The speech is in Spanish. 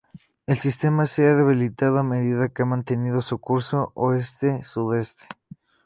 El sistema se ha debilitado a medida que ha mantenido su curso oeste-sudoeste.